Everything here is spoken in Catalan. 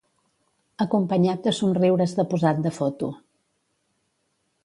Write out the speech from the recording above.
Acompanyat de somriures de posat de foto